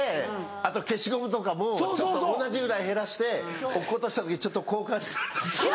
あと消しゴムとかも同じぐらい減らして落っことした時ちょっと交換したり。